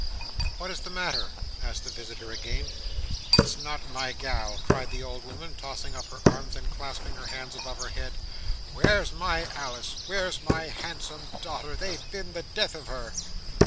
"What is the matter?" asked the visitor again. "It's not my gal!" cried the old woman, tossing up her arms, and clasping her hands above her head. "Where's my Alice? Where's my handsome daughter? They've been the death of her!"